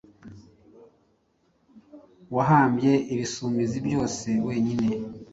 wahambye Ibisumizi byose wenyine.